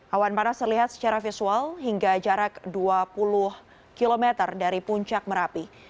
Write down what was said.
awan panas terlihat secara visual hingga jarak dua puluh km dari puncak merapi